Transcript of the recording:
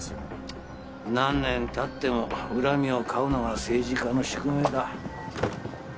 何年経っても恨みを買うのが政治家の宿命だ。